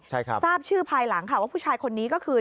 ใช่ครับทราบชื่อภายหลังค่ะว่าผู้ชายคนนี้ก็คือ